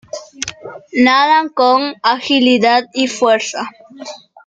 Nadan con agilidad y fuerza.